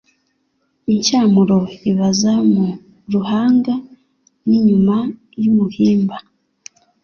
Incyamuro Ibaza mu ruhanga n'inyuma y'umuhimba.